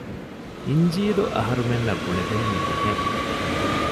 އިންޖީލު އަހަރުމެންނަށް ބުނެދެނީ މިހެން